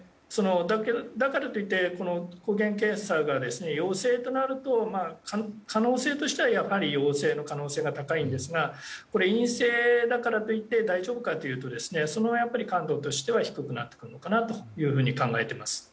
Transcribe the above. だからといって抗原検査が陽性となると可能性としては、やはり陽性の可能性が高いのですが陰性だからといって大丈夫かというと感度としては低くなってくるのかなと考えています。